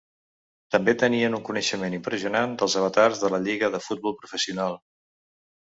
També tenien un coneixement impressionant dels avatars de la lliga de futbol professional.